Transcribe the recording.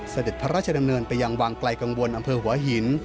เสด็จพระราชดำเนินไปยังวังไกลกังวลอำเภอหัวหิน